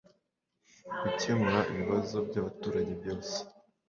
gukemura ibibazo by abaturage byose